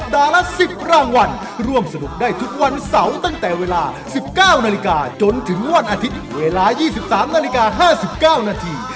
ละ๑๐รางวัลร่วมสนุกได้ทุกวันเสาร์ตั้งแต่เวลา๑๙นาฬิกาจนถึงวันอาทิตย์เวลา๒๓นาฬิกา๕๙นาที